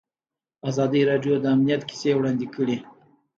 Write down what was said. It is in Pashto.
ازادي راډیو د امنیت کیسې وړاندې کړي.